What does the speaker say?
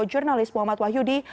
jurnalis muhammad wahyudi